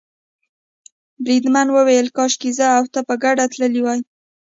بریدمن وویل کاشکې زه او ته په ګډه تللي وای.